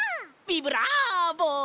ビブラーボ！